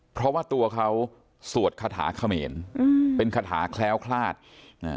เพราะว่าตัวเขาสวดคาถาเขมรอืมเป็นคาถาแคล้วคลาดอ่า